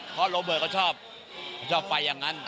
เพราะโรเบิร์ตเขาชอบไฟอย่างนั้น